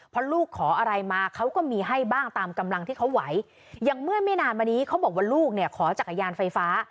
เพราะลูกขออะไรมาเขาก็มีให้บ้างตามกำลังที่เขาไหวอย่างเมื่อไม่นานมานี้เขาบอกว่าลูกเนี่ยขอจักรยานไฟฟ้า